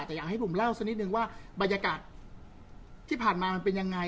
แต่อยากให้ผมเล่าสักนิดนึงว่าบรรยากาศที่ผ่านมามันเป็นยังไง